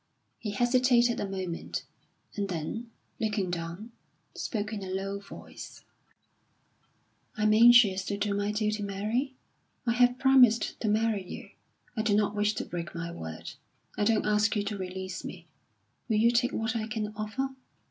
He hesitated a moment, and then, looking down, spoke in a low voice: "I am anxious to do my duty, Mary. I have promised to marry you. I do not wish to break my word. I don't ask you to release me. Will you take what I can offer?